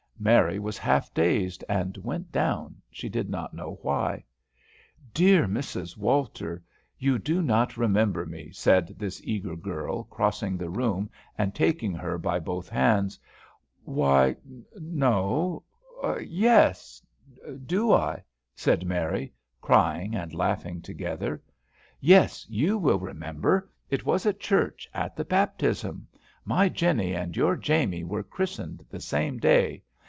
Mary was half dazed, and went down, she did not know why. "Dear Mrs. Walter, you do not remember me," said this eager girl, crossing the room and taking her by both hands. "Why, no yes do I?" said Mary, crying and laughing together. "Yes, you will remember, it was at church, at the baptism. My Jennie and your Jamie were christened the same day.